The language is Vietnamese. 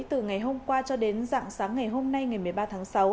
từ ngày hôm qua cho đến dạng sáng ngày hôm nay ngày một mươi ba tháng sáu